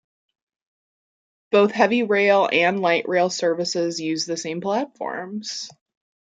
Both heavy rail and light rail services use the same platforms.